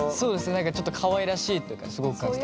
何かちょっとかわいらしいというかすごく感じて。